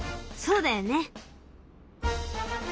そうだよね。